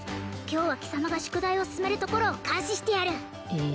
今日は貴様が宿題を進めるところを監視してやるえ